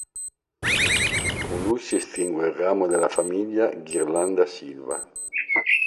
Con lui si estingue il ramo della famiglia Ghirlanda Silva.